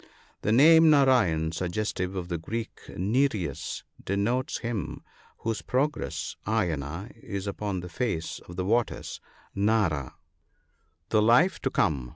The name Narayen, suggestive of the Greek Nereus, denotes him " whose progress (ayana) is upon the face of the waters (narah)." (70.) The life to come.